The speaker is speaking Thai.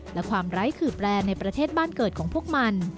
และความไร้ขื่อแปลในประเทศบ้านเกิดของพวกมัน